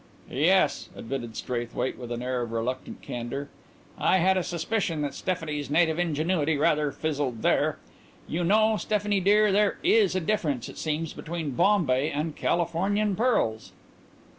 "Yes," admitted Straithwaite, with an air of reluctant candour, "I had a suspicion that Stephanie's native ingenuity rather fizzled there. You know, Stephanie dear, there is a difference, it seems, between Bombay and Californian pearls."